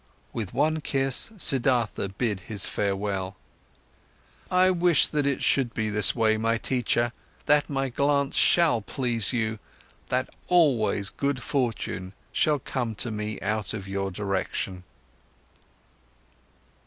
With one kiss, Siddhartha bid his farewell. "I wish that it should be this way, my teacher; that my glance shall please you, that always good fortune shall come to me out of your direction!"